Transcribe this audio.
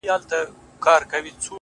ډېـــره شناخته مي په وجود كي ده;